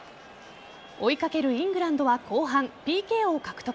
追いかけるイングランドは後半、ＰＫを獲得。